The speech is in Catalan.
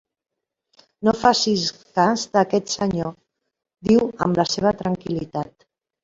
"No facis cas d'aquest senyor", diu amb la seva tranquil·litat.